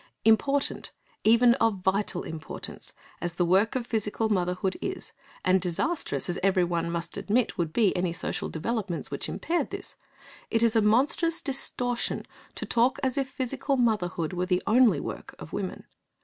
Important, even of vital importance, as the work of physical motherhood is, and disastrous as everyone must admit would be any social developments which impaired this, it is a monstrous distortion to talk as if physical motherhood were the only work of women.